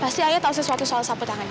pasti ayah tahu sesuatu soal siapa tangan ini